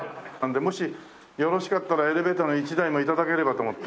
もしよろしかったらエレベーターの１台も頂ければと思って。